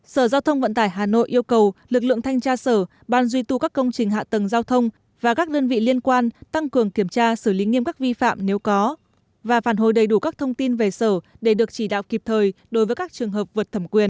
sở giao thông vận tải hà nội yêu cầu lực lượng thanh tra sở ban duy tu các công trình hạ tầng giao thông và các đơn vị liên quan tăng cường kiểm tra xử lý nghiêm các vi phạm nếu có và phản hồi đầy đủ các thông tin về sở để được chỉ đạo kịp thời đối với các trường hợp vượt thẩm quyền